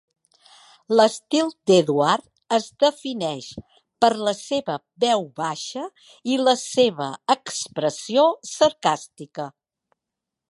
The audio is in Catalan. L"estil d"Edward es defineix per la seva veu baixa i la seva expressió sarcàstica.